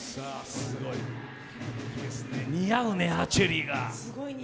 似合うね、アーチェリーが。